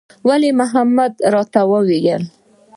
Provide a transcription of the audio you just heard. ولي محمد راته وويل.